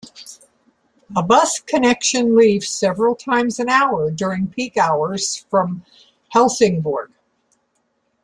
A bus connection leaves several times an hour during peak hours from Helsingborg.